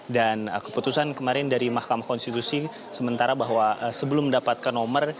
dan keputusan kemarin dari mahkamah konstitusi sementara bahwa sebelum mendapatkan nomor